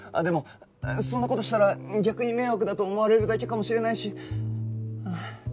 でもそんな事したら逆に迷惑だと思われるだけかもしれないし。